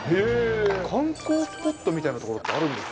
観光スポットみたいな所ってあるんですか？